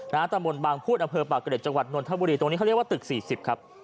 ตำบลบางพูดอำเภอปากเกร็จจังหวัดนทบุรีตรงนี้เขาเรียกว่าตึกสี่สิบครับ